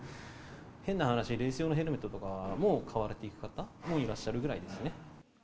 変な話、レース用のヘルメットとかも、もう買われていく方もいらっしゃるぐらいですね。